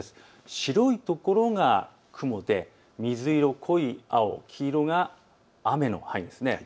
白いところが雲で水色、濃い青、黄色が雨の範囲です。